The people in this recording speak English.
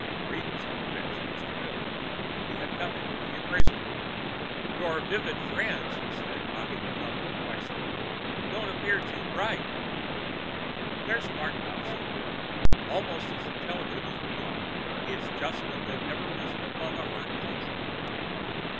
Reed was on the bench next to Bill. He had come in with the appraisal group. "Your vivid friends," he said, cocking a thumb at the Quxas, "don't appear too bright." "They're smart enough," said Bill. "Almost as intelligent as we are. It's just that they've never risen above a herd culture."